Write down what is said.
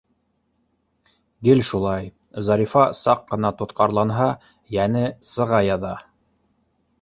Гел шулай, Зарифа саҡ ҡына тотҡарланһа, йәне сыға яҙа.